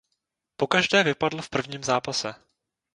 Pokaždé vypadl v prvním zápase.